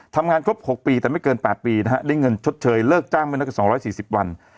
ทำงานครบ๖ปีแต่ไม่เกิน๘ปีนะฮะได้เงินชดเชยเลิกจ้างไม่น้อยกว่า๒๔๐วัน